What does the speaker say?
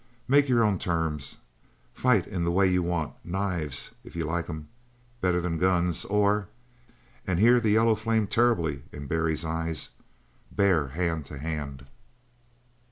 Make your own terms; fight in the way you want; knives, if you like 'em better than guns, or " and here the yellow flamed terribly in Barry's eyes "bare hand to hand!"